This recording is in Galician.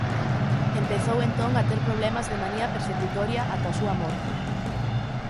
Empezou entón a ter problemas de manía persecutoria ata a súa morte.